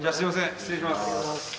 失礼します。